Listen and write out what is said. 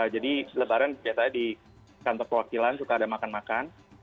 jadi lebaran biasanya di kantor pewakilan suka ada makan makan